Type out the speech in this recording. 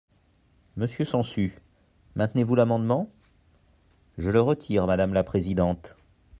Monsieur Sansu, maintenez-vous l’amendement ? Je le retire, madame la présidente.